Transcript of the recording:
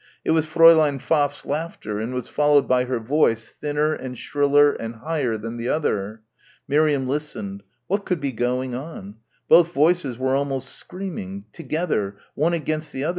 It was Fräulein Pfaff's laughter and was followed by her voice thinner and shriller and higher than the other. Miriam listened. What could be going on? ... both voices were almost screaming ... together ... one against the other ...